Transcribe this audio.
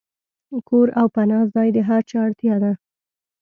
کور او پناه ځای د هر چا اړتیا ده.